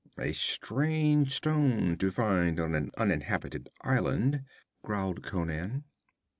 'A strange stone to find on an uninhabited island,' growled Conan.